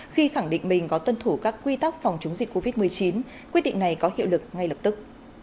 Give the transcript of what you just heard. khi khẳng định mình có tuân thủ các quy tắc phòng chống dịch covid một mươi chín quyết định này có hiệu lực ngay lập tức